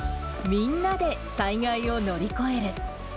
みんなで災害を乗り越える。